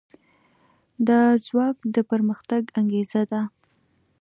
دا ځواک د پرمختګ انګېزه ده.